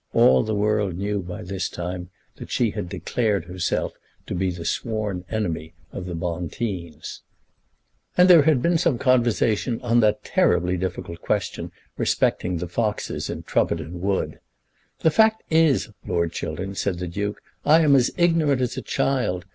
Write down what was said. All the world knew by this time that she had declared herself to be the sworn enemy of the Bonteens. And there had been some conversation on that terribly difficult question respecting the foxes in Trumpeton Wood. "The fact is, Lord Chiltern," said the Duke, "I'm as ignorant as a child.